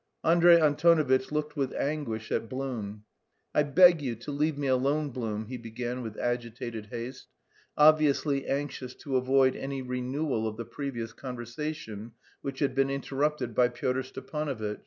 Andrey Antonovitch looked with anguish at Blum. "I beg you to leave me alone, Blum," he began with agitated haste, obviously anxious to avoid any renewal of the previous conversation which had been interrupted by Pyotr Stepanovitch.